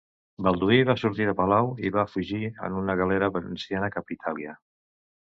Balduí va sortir de palau i va fugir en una galera veneciana cap a Itàlia.